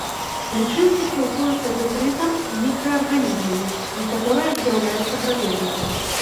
Лічынкі сілкуюцца дэтрытам і мікраарганізмамі, некаторыя з'яўляюцца драпежнікамі.